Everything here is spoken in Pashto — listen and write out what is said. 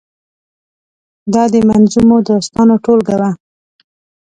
دا د منظومو داستانو ټولګه وه.